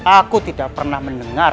aku tidak pernah mendengar